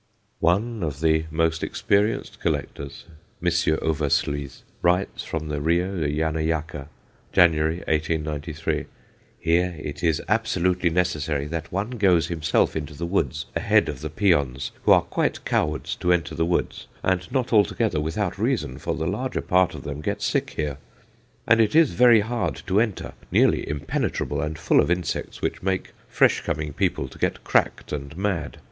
One of the most experienced collectors, M. Oversluys, writes from the Rio de Yanayacca, January, 1893: "Here it is absolutely necessary that one goes himself into the woods ahead of the peons, who are quite cowards to enter the woods; and not altogether without reason, for the larger part of them get sick here, and it is very hard to enter nearly impenetrable and full of insects, which make fresh coming people to get cracked and mad.